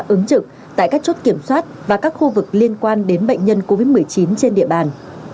ứng trực tại các chốt kiểm soát và các khu vực liên quan đến bệnh nhân covid một mươi chín trên địa bàn